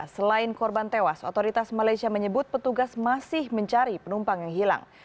selain korban tewas otoritas malaysia menyebut petugas masih mencari penumpang yang hilang